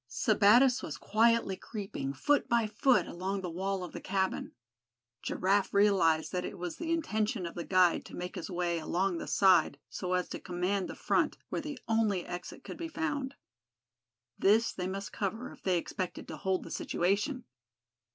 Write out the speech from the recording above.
Sebattis was quietly creeping, foot by foot, along the wall of the cabin. Giraffe realized that it was the intention of the guide to make his way along the side, so as to command the front, where the only exit could be found. This they must cover, if they expected to hold the situation.